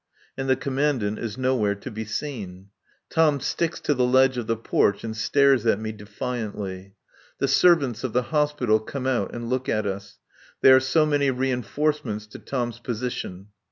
And the Commandant is nowhere to be seen. Tom sticks to the ledge of the porch and stares at me defiantly. The servants of the Hospital come out and look at us. They are so many reinforcements to Tom's position.